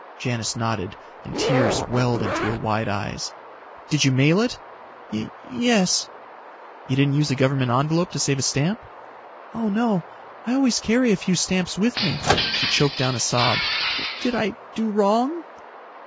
Janis nodded, and tears welled into her wide eyes. "Did you mail it?" "Y ... yes." "You didn't use a government envelope to save a stamp?" "Oh, no. I always carry a few stamps with me." She choked down a sob. "Did I do wrong?"